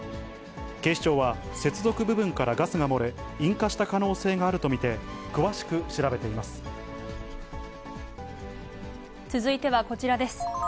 警視庁は接続部分からガスが漏れ、引火した可能性があると見て詳し続いてはこちらです。